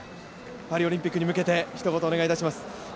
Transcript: パリオリンピックに向けてひと言お願いします。